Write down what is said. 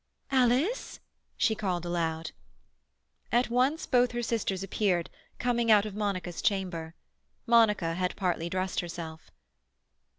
"Alice!" she called aloud. At once both her sisters appeared, coming out of Monica's chamber. Monica had partly dressed herself.